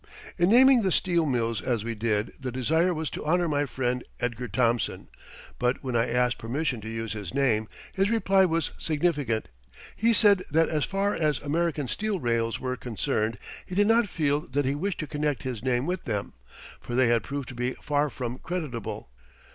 In naming the steel mills as we did the desire was to honor my friend Edgar Thomson, but when I asked permission to use his name his reply was significant. He said that as far as American steel rails were concerned, he did not feel that he wished to connect his name with them, for they had proved to be far from creditable.